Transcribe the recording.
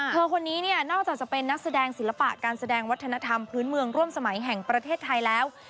คนนี้เนี่ยนอกจากจะเป็นนักแสดงศิลปะการแสดงวัฒนธรรมพื้นเมืองร่วมสมัยแห่งประเทศไทยแล้ว